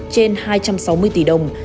trên hai trăm sáu mươi tỷ đồng